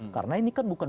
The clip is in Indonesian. karena ini kan bukan